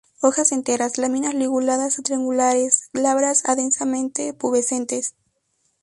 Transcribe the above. Hojas enteras; láminas liguladas a triangulares, glabras a densamente pubescentes.